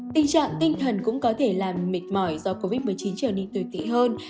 tình trạng tinh thần cũng có thể làm mệt mỏi do covid một mươi chín trở nên tuyệt tị hơn